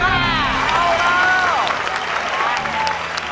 ไห่เลย